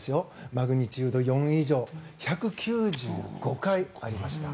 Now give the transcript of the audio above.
マグニチュード４以上１９５回ありました。